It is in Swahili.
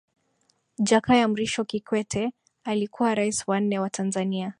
jakaya mrisho kikwete alikuwa rais wa nne wa tanzania